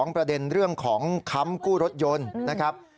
ประเด็นเรื่องของค้ำกู้รถยนต์นะครับ